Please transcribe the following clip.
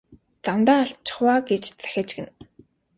Замдаа алдчихав аа гэж захиж гэнэ.